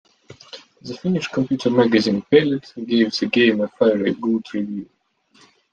The Finnish computer magazine "Pelit" gave the game a fairly good review.